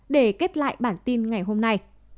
để kết lại bản tin ngày hôm nay